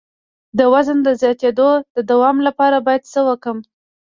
د وزن د زیاتیدو د دوام لپاره باید څه وکړم؟